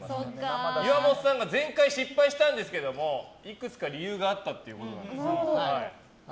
岩本さんが前回失敗したんですがいくつか理由があったということで。